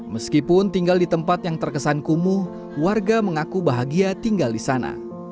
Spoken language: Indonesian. meskipun tinggal di tempat yang terkesan kumuh warga mengaku bahagia tinggal di sana